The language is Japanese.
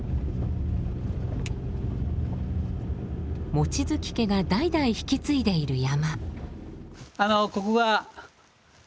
望月家が代々引き継いでいる山。